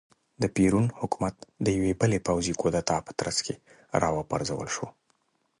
د پېرون حکومت د یوې بلې پوځي کودتا په ترڅ کې را وپرځول شو.